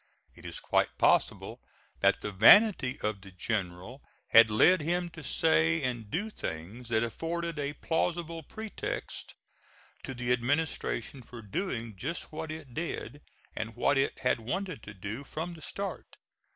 It is quite possible that the vanity of the General had led him to say and do things that afforded a plausible pretext to the administration for doing just what it did and what it had wanted to do from the start.